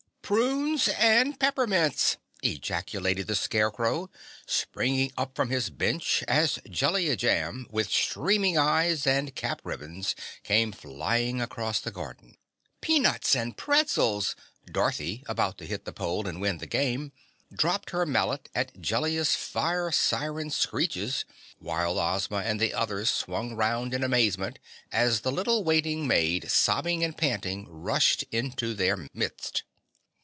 "Prunes and peppermints!" ejaculated the Scarecrow, springing up from his bench as Jellia Jamb, with streaming eyes and cap ribbons, came flying across the garden. "Peanuts and pretzels!" Dorothy, about to hit the pole and win the game, dropped her mallet at Jellia's fire siren screeches, while Ozma and the others swung round in amazement as the little waiting maid, sobbing and panting, rushed into their midst.